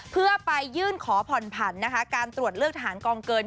เพื่อไปยื่นขอผ่อนผันนะคะการตรวจเลือกทหารกองเกิน